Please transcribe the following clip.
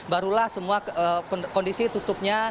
barulah semua kondisi tutupnya